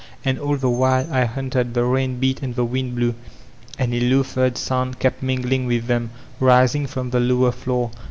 And all the while I hunted, the rain beat and the wind blew, and a low third sound kept mingling with them, rising from the lower floor.